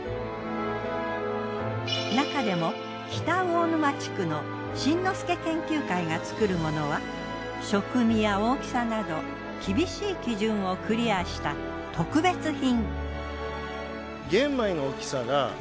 なかでも北魚沼地区の新之助研究会が作るものは食味や大きさなど厳しい基準をクリアした特別品。